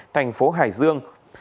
thành phố hải dương